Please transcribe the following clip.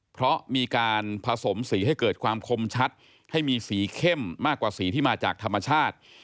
เพราะมีการผสมสีให้เกิดความคมชัดให้มีสีเข้มมากกว่าสีที่มาจากธรรมชาติ